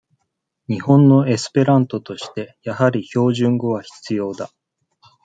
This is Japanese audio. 日本のエスペラントとして、やはり標準語は必要だ。